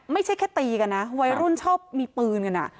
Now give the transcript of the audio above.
ไม่แค่ตีกันแต่วัยรุ่นชอบมีปืนกัน